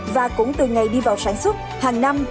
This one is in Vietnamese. và cũng từ ngày đi vào sản xuất hàng năm